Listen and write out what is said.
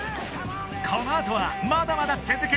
このあとはまだまだ続く